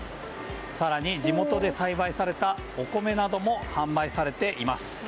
更に、地元で栽培されたお米なども販売されています。